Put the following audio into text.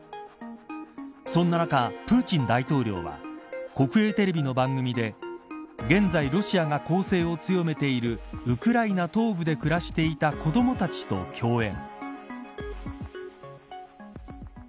そんな中、プーチン大統領は国営テレビの番組で現在ロシアが攻勢を強めているウクライナ東部で暮らしていた子どもたちと共演。